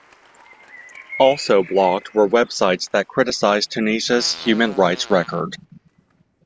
Also blocked were Web sites that criticize Tunisia's human rights record.